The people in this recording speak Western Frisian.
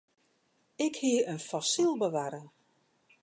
Ik hie in fossyl bewarre.